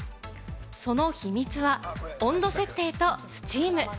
その秘密は、温度設定とスチーム。